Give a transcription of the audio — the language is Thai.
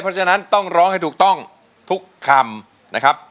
เพราะฉะนั้นต้องร้องให้ถูกต้องทุกคำนะครับ